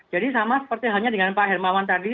jadi sama seperti halnya dengan pak hermawan tadi